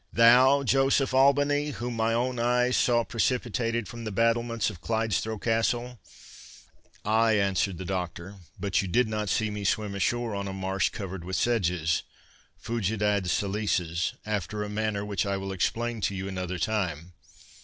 —thou! Joseph Albany, whom my own eyes saw precipitated from the battlements of Clidesthrow Castle?" "Ay," answered the Doctor, "but you did not see me swim ashore on a marsh covered with sedges—fugit ad salices—after a manner which I will explain to you another time."